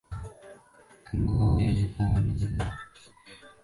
曾获国科会优等研究奖及中华民国教育部教学特优教师奖。